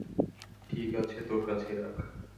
ঠিক আছে, তোর কাছেই রাখ।